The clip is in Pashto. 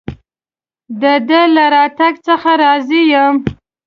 د ده له راتګ څخه راضي یم.